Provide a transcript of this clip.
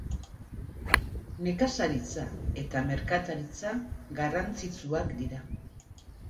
Nekazaritza eta merkataritza garrantzitsuak dira.